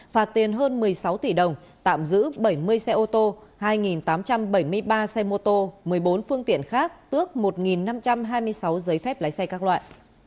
phạt tiền hơn một mươi sáu tỷ đồng tạm giữ bảy mươi xe ô tô hai tám trăm bảy mươi ba xe mô tô một mươi bốn phương tiện khác tước một năm trăm hai mươi sáu giấy phép lái xe các loại